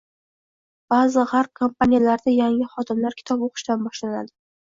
Ba'zi G'arb kompaniyalarida yangi xodimlar kitob o'qishdan boshlanadi